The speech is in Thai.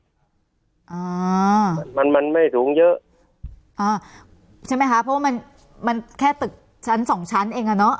อ่ามันมันไม่สูงเยอะอ่าใช่ไหมคะเพราะว่ามันมันแค่ตึกชั้นสองชั้นเองอ่ะเนอะ